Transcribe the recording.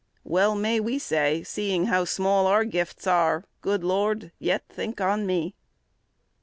Well may we say, seeing how small our gifts are, "Good Lord, yet think on me."